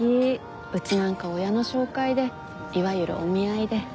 うちなんか親の紹介でいわゆるお見合いで。